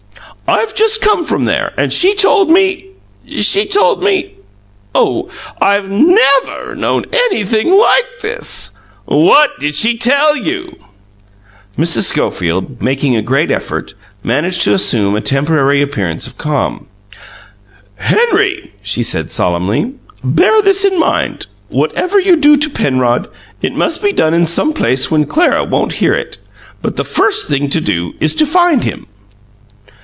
"I've just come from there, and she told me she told me! Oh, I've NEVER known anything like this!" "WHAT did she tell you?" Mrs. Schofield, making a great effort, managed to assume a temporary appearance of calm. "Henry," she said solemnly, "bear this in mind: whatever you do to Penrod, it must be done in some place when Clara won't hear it. But the first thing to do is to find him."